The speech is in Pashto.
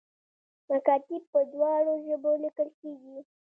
مکاتیب په دواړو ژبو لیکل کیږي